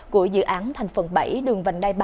của dự án thành phần bảy đường vành đai ba